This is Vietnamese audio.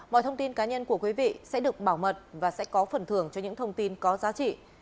mọi thông tin cá nhân của quý vị sẽ được bảo mật và sẽ có phần thưởng cho những thông tin có giá trị